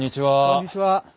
こんにちは。